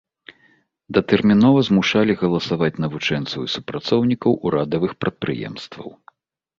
Датэрмінова змушалі галасаваць навучэнцаў і супрацоўнікаў урадавых прадпрыемстваў.